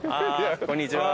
こんにちは。